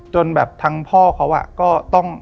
จนแบบทางพ่อเขาก็ต้อง